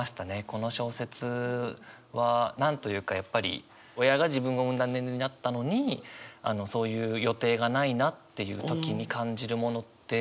この小説は何と言うかやっぱり親が自分を産んだ年齢になったのにそういう予定がないなっていう時に感じるものって。